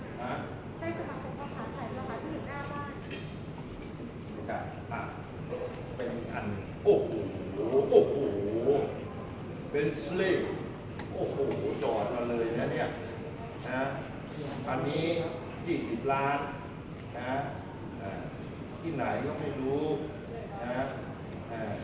สมาคมของขาใทย๒๐๒๔หรือเปลี่ยนการให้สมาคมของขาใสน้ำมันร้อยเป็นในหน้าว่าย